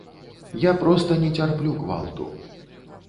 Я проста не цярплю гвалту.